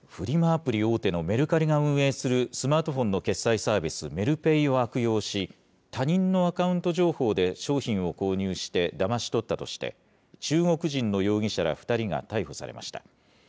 アプリ大手のメルカリが運営する、スマートフォンの決済サービス、メルペイを悪用し、他人のアカウント情報で商品を購入してだまし取ったとして、中国人の容疑者ら２人が逮捕されました。